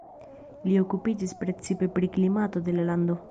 Li okupiĝis precipe pri klimato de la lando.